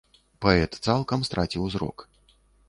Паэт цалкам страціў зрок.